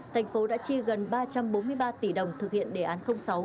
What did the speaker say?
thành phố đã chi gần ba trăm bốn mươi ba tỷ đồng thực hiện đề án sáu